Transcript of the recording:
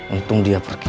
untung dia pergi